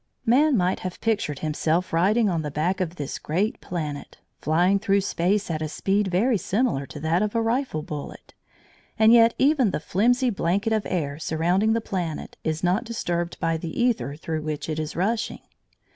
Man might have pictured himself riding on the back of this great planet, flying through space at a speed very similar to that of a rifle bullet, and yet even the flimsy blanket of air surrounding the planet is not disturbed by the æther through which it is rushing.